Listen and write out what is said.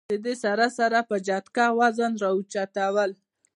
د دې سره سره پۀ جټکه وزن را اوچتول